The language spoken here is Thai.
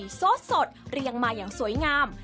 โซดสดเรียงมาอย่างสวยงาม